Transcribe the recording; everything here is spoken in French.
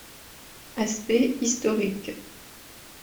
Aspects historiques.